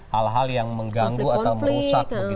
hal hal yang mengganggu atau merusak konflik konflik